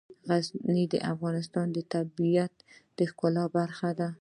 غزني د افغانستان د طبیعت د ښکلا برخه ده.